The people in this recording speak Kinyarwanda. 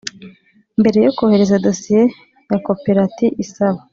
Mbere yo kohereza dosiye ya Koperat isaba